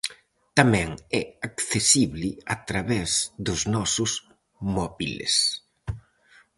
Tamén é accesible a través dos nosos móbiles.